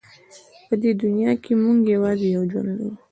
په دې دنیا کې موږ یوازې یو ژوند لرو.